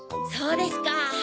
そうですか。